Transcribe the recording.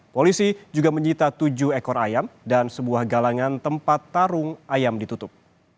polisi juga menyita tujuh ekor ayam dan sebuah galangan tempat tarung ayam ditutup